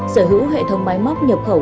sở hữu hệ thống máy móc nhập khẩu